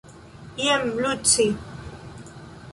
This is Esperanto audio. Jen Luci.